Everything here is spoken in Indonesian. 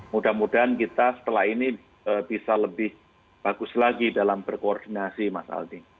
mudah mudahan kita setelah ini bisa lebih bagus lagi dalam berkoordinasi mas aldi